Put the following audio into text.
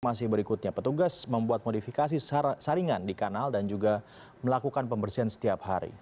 masih berikutnya petugas membuat modifikasi saringan di kanal dan juga melakukan pembersihan setiap hari